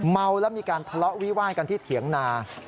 เมาแล้วมีการทะเลาะวิวาดกันที่เถียงนา